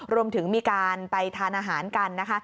รวมถึงมีการไปทานอาหารกันนะคะ